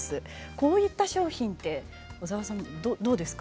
こういった商品って小澤さん、どうですか？